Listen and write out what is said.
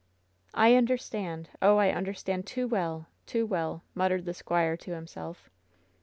'' "I understand! Oh, I understand too well! too well!" muttered the squire to himself.